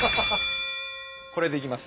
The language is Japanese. これでいきます。